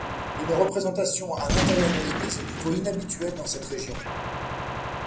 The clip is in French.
Une représentation à l'intérieur de l'église est plutôt inhabituelle dans cette région.